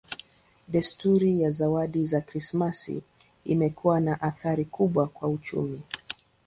Desturi ya zawadi za Krismasi imekuwa na athari kubwa kwa uchumi.